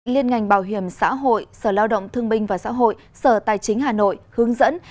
liên ngành bảo hiểm xã hội sở lao động thương binh và xã hội sở tài chính hà nội hướng dẫn